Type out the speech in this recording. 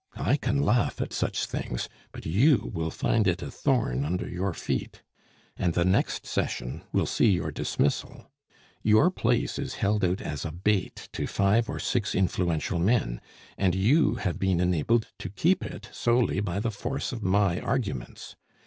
I can laugh at such things; but you will find it a thorn under your feet. And the next session will see your dismissal. Your place is held out as a bait to five or six influential men, and you have been enabled to keep it solely by the force of my arguments.